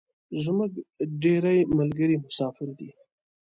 زمونږ ډیری ملګري مسافر دی